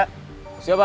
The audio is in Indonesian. din kami pergi ya